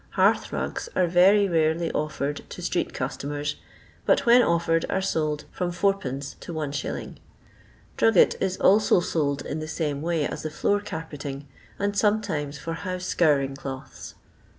Hearth rugs are very rarely offered to street customers, but when offered are sold from id. to Is. Drugget is alco sold in the same way as the floor carpeting, and sometimes for house scouring cloths.